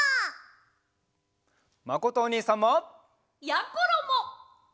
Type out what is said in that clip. まことおにいさんも！やころも！